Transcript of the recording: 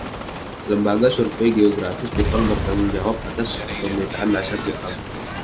Lembaga Survei Geografis Jepang bertanggung jawab atas pemetaan dasar Jepang.